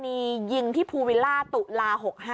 มียิงที่ภูวิลล่าตุลา๖๕